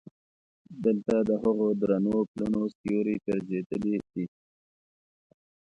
دلته د هغو درنو پلونو سیوري ګرځېدلی دي.